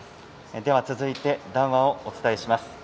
続いて、談話をお伝えします。